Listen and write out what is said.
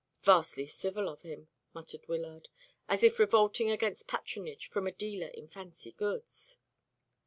"Vastly civil of him," muttered Wyllard, as if revolting against patronage from a dealer in fancy goods.